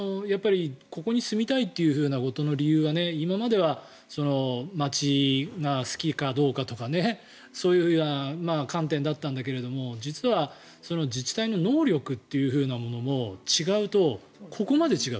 ここに住みたいということの理由は今までは街が好きかどうかとかそういう観点だったんだけれども実は自治体の能力というものも違うとここまで違う。